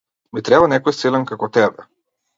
Ми треба некој силен како тебе.